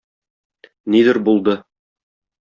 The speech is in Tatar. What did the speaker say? Нидер булды...